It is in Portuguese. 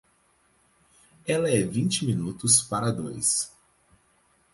Ela é vinte minutos para dois.